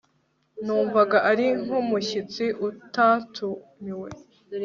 Numvaga ari nkumushyitsi utatumiwe